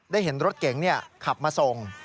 ได้เห็นรถเก๋งขับมาส่ง